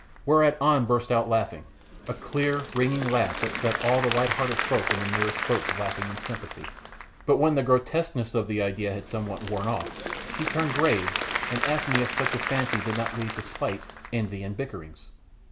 Whereat An burst out laughing a clear, ringing laugh that set all the light hearted folk in the nearest boats laughing in sympathy. But when the grotesqueness of the idea had somewhat worn off, she turned grave and asked me if such a fancy did not lead to spite, envy, and bickerings.